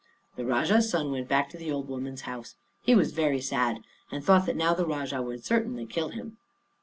The Rajah's son went back to the old woman's house. He was very sad, and thought that now the Rajah would certainly kill him.